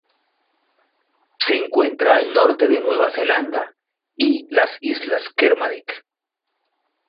Se encuentra al norte de Nueva Zelanda y las Islas Kermadec.